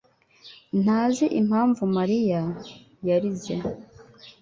ntazi impamvu Mariya yarize.